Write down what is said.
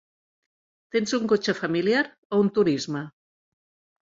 Tens un cotxe familiar o un turisme?